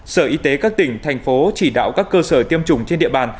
sở y tế các tỉnh thành phố chỉ đạo các cơ sở tiêm chủng trên địa bàn